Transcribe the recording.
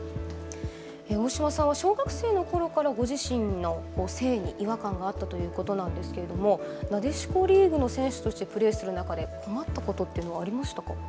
大嶋さんは小学生のころからご自身の性に違和感があったということなんですがなでしこリーグの選手としてプレーする中で困ったことはありませんでしたか。